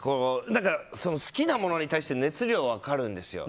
好きなものに対しての熱量は分かるんですよ。